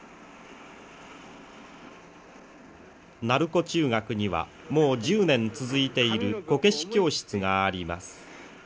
鳴子中学にはもう１０年続いているこけし教室があります。